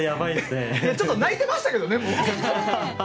ちょっと泣いてましたけどね、もう。